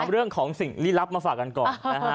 เรื่องของสิ่งลี้ลับมาฝากกันก่อนนะฮะ